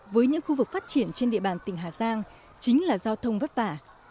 với những khu vực phát triển trên địa bàn tỉnh hà giang chính là giao thông vất vả